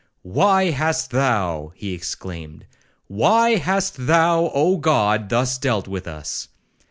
'Why hast thou,' he exclaimed, 'why hast thou, Oh God! thus dealt with us?